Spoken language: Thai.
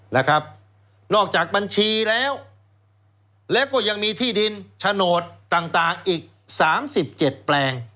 นะครับนอกจากบัญชีแล้วแล้วก็ยังมีที่ดินโฉนดต่างต่างอีกสามสิบเจ็ดแปลง